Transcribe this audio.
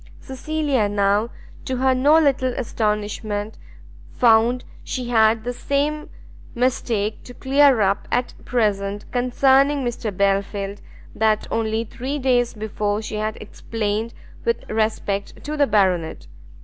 Cecilia now, to her no little astonishment, found she had the same mistake to clear up at present concerning Mr Belfield, that only three days before she had explained with respect to the Baronet.